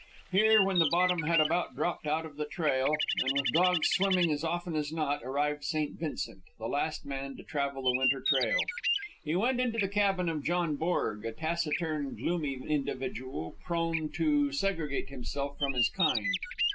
Here, when the bottom had about dropped out of the trail, and with the dogs swimming as often as not, arrived St. Vincent the last man to travel the winter trail. He went into the cabin of John Borg, a taciturn, gloomy individual, prone to segregate himself from his kind.